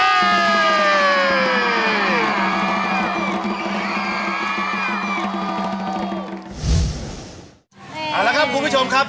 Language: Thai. เอาละครับคุณผู้ชมครับ